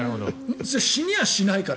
死にはしないから。